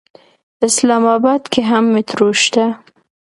اسلام اباد کې هم مېټرو شته.